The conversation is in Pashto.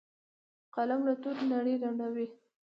قلم له تورو نړۍ رڼوي